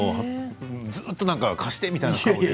ずっと貸してみたいな顔で。